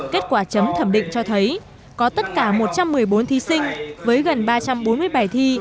kết quả chấm thẩm định cho thấy có tất cả một trăm một mươi bốn thí sinh với gần ba trăm bốn mươi bài thi